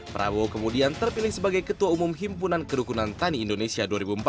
prabowo kemudian terpilih sebagai ketua umum himpunan kerukunan tani indonesia dua ribu empat belas